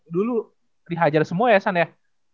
dulu dihajar semua ya san ya